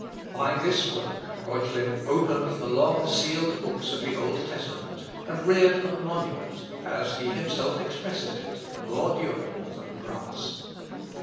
By this work Reuchlin opened the long sealed books of the Old Testament, and reared "a monument," as he himself expresses it, "more durable than brass."